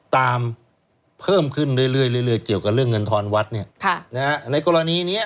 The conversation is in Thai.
ตามเพิ่มขึ้นเรื่อยเรื่อยเรื่อยเรื่อยเกี่ยวกับเรื่องเงินทรอนวัดเนี่ยในกรณีเนี้ย